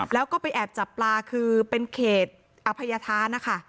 แล้วก็ไปแอบจับปลาคือเป็นเขตอภัยธานนะคะ